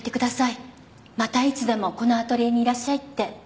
またいつでもこのアトリエにいらっしゃいって。